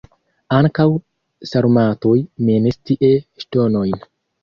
Ankaŭ sarmatoj minis tie ŝtonojn.